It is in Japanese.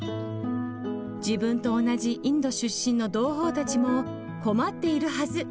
自分と同じインド出身の同胞たちも困っているはず！